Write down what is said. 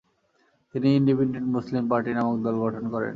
তিনি Independent Muslim Party নামক দল গঠন করেন।